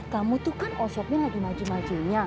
kamu tuh kan osoknya lagi maju majunya